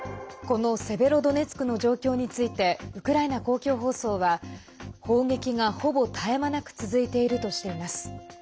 このセベロドネツクの状況についてウクライナ公共放送は砲撃が、ほぼ絶え間なく続いているとしています。